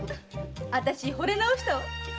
あたし惚れなおしたわ。